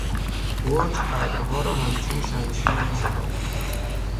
برج ابرها را همچون شمشیر میشکافت.